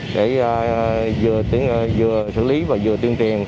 để vừa xử lý và vừa tiên triền